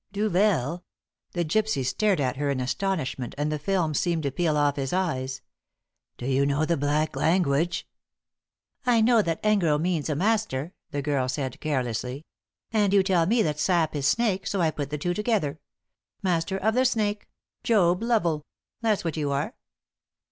"Duvel!" The gypsy stared at her in astonishment, and the film seemed to peel off his eyes. "Do you know the black language?" "I know that 'engro' means a 'master,'" the girl said, carelessly, "and you tell me that 'sap' is 'snake' so I put the two together. Master of the Snake, Job Lovel that's what you are."